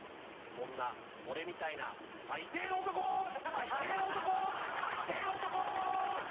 こんな俺みたいな最低の男最低の男！